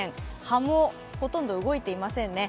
葉もほとんど動いていませんね。